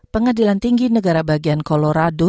pengadilan tinggi negara bagian colorado